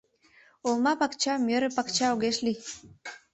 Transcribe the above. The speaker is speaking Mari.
Олма пакча мӧрӧ пакча огеш лий